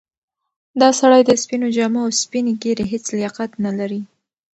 دا سړی د سپینو جامو او سپینې ږیرې هیڅ لیاقت نه لري.